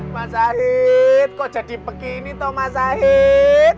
mas zahid kok jadi begini thomas zahid